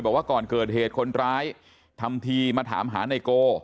บอกว่าก่อนเกิดเหตุคนร้ายทำทีมาถามหาไนโก